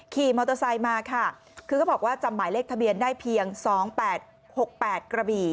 ขี่มอเตอร์ไซค์มาค่ะคือเขาบอกว่าจำหมายเลขทะเบียนได้เพียง๒๘๖๘กระบี่